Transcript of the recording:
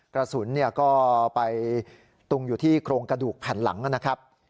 กระสุนก็ไปตุงอยู่ที่โครงกระดูกแผ่นหลังนะครับ